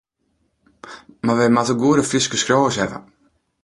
Mar wy moatte goede Fryske skriuwers hawwe.